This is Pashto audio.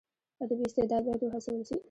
ادبي استعداد باید وهڅول سي.